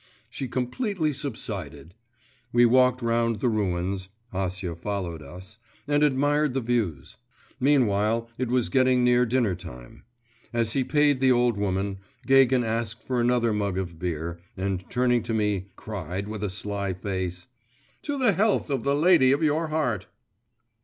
She completely subsided. We walked round the ruins (Acia followed us), and admired the views. Meanwhile it was getting near dinner time. As he paid the old woman, Gagin asked for another mug of beer, and turning to me, cried with a sly face 'To the health of the lady of your heart.